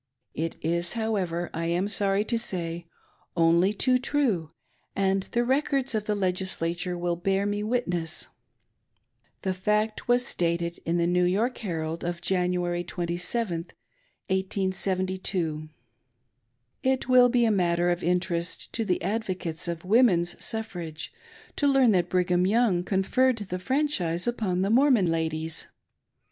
It is, however, I am sorry to say, only too true, and the records of the Legislature will bear me witness. The fact was stated in the New York Herald Qi January 27, 1872. It will be a matter of interest to the advocates of women's suffrage to learn that Brigham Young conferred the franchise upon the Mormon ladies.